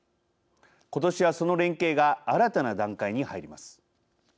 今年は、その連携が新たな段階に入ります。